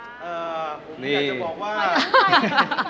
เอ่อผมอยากจะบอกว่า